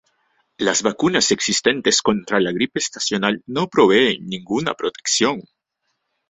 Las vacunas existentes contra la gripe estacional no proveen ninguna protección.